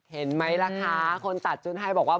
เห็นไหมล่ะคะคนตัดชุดให้บอกว่า